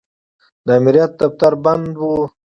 د امریت دفتر بند و.